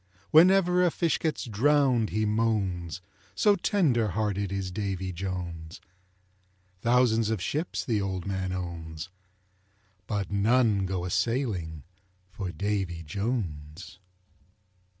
Whenever a fish gets drowned, he moans, So tender hearted is Davy Jones. Thousands of ships the old man owns, But none go a sailing for Davy Jones.